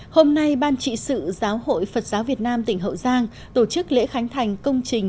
hôm nay ban trị sự giáo hội phật giáo việt nam tỉnh hậu giang tổ chức lễ khánh thành công trình